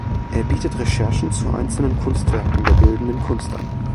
Er bietet Recherchen zu einzelnen Kunstwerken der bildenden Kunst an.